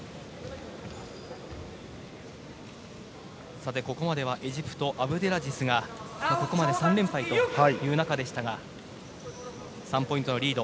さて、ここまではエジプト、アブデラジズがここまで３連敗という中でしたが３ポイントのリード。